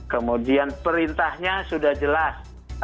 kemudian perintahnya sudah jelas